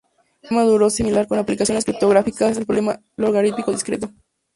Un problema duro similar con aplicaciones criptográficas es el problema del logaritmo discreto.